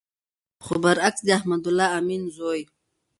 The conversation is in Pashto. خو بر عکس د احمد الله امین زوی